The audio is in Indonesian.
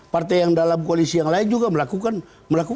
partai yang dalam koalisi yang lain juga melakukan